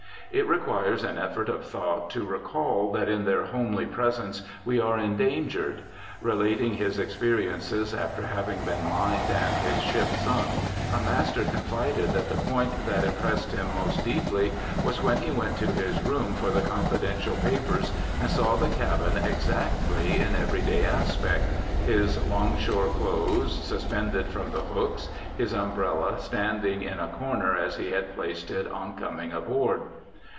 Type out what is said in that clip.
It requires an effort of thought to recall that in their homely presence we are endangered. Relating his experiences after having been mined and his ship sunk, a master confided that the point that impressed him most deeply was when he went to his room for the confidential papers and saw the cabin exactly in everyday aspect his longshore clothes suspended from the hooks, his umbrella standing in a corner as he had placed it on coming aboard.